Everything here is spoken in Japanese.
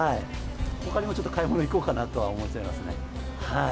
ほかにもちょっと買い物に行こうかなとは思っちゃいますね。